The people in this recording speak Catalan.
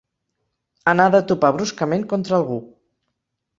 Anada a topar bruscament contra algú.